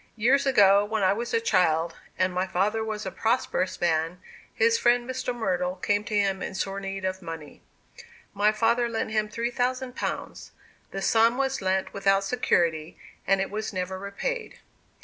"Years ago, when I was a child, and my father was a prosperous man, his friend Mr. Myrtle came to him in sore need of money. My father lent him three thousand pounds. The sum was lent without security, and it was never repaid."